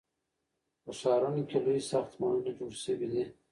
په ښارونو کې لوی ساختمانونه جوړ سوي دي.